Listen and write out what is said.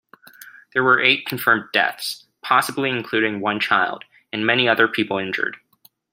There were eight confirmed deaths, possibly including one child, and many other people injured.